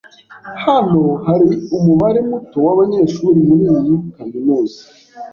Hano hari umubare muto wabanyeshuri muri iyi kaminuza.